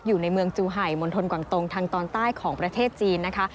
อยู่ในเมืองจูไห่มณฑลกวังตรงทางตอนใต้ของประเทศจีนนะคะ